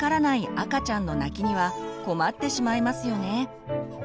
赤ちゃんの泣きには困ってしまいますよね。